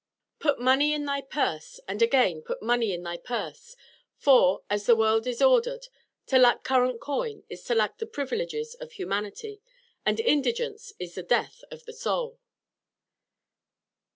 Put money in thy purse; and again, put money in thy purse; for, as the world is ordered, to lack current coin is to lack the privileges of humanity, and indigence is the death of the soul.